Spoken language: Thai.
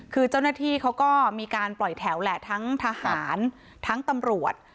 คือเจ้าหน้าที่เขาก็มีการปล่อยแถวแหละทั้งทหารทั้งตำรวจ